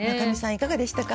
いかがでしたか？